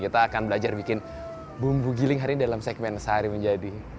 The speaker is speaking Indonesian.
kita akan belajar bikin bumbu giling hari ini dalam segmen sehari menjadi